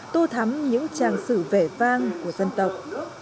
tô thắm những trang sử vẻ vang của dân tộc